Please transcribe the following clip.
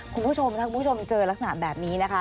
คุณผู้ชมถ้าคุณผู้ชมเจอลักษณะแบบนี้นะคะ